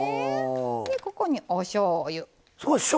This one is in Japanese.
ここに、おしょうゆ。